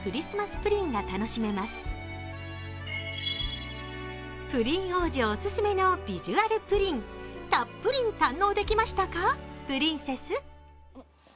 プリン王子お薦めのビジュアルプリンたっぷりん堪能できましたかプリンセス！